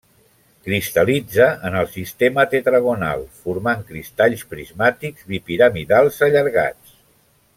Cristal·litza en el sistema tetragonal, formant cristalls prismàtics bipiramidals allargats.